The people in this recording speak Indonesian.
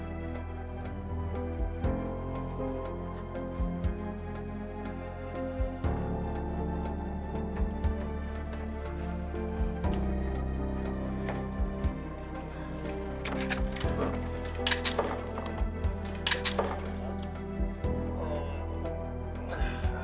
tidak ada apa apa